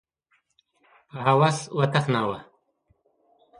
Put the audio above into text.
په هوس وتخناوه